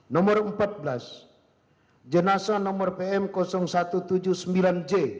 nomor empat belas jenasa nomor pm satu ratus tujuh puluh sembilan j